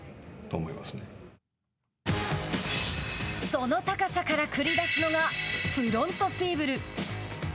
その高さから繰り出すのがフロントフィーブル。